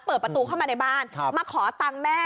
เปิดประตูเข้ามาในบ้านมาขอตังค์แม่